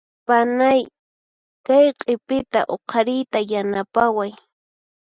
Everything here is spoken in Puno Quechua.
Panay kay q'ipita huqariyta yanapaway.